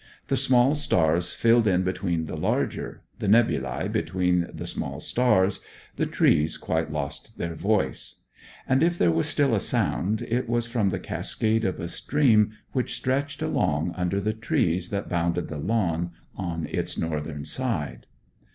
The small stars filled in between the larger, the nebulae between the small stars, the trees quite lost their voice; and if there was still a sound, it was from the cascade of a stream which stretched along under the trees that bounded the lawn on its northern side.